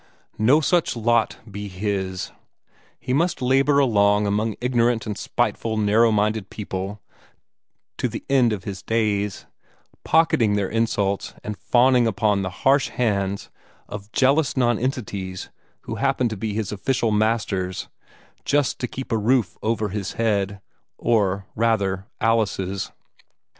No such lot would be his! He must labor along among ignorant and spiteful narrow minded people to the end of his days, pocketing their insults and fawning upon the harsh hands of jealous nonentities who happened to be his official masters, just to keep a roof over his head or rather Alice's.